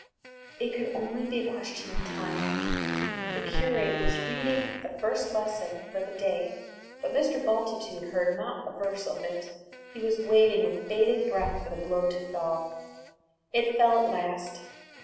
It could only be a question of time now. The curate was reading the first lesson for the day, but Mr. Bultitude heard not a verse of it. He was waiting with bated breath for the blow to fall. It fell at last.